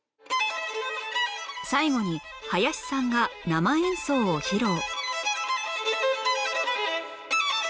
最後に林さんが生演奏を披露